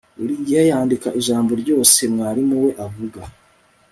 Buri gihe yandika ijambo ryose mwarimu we avuga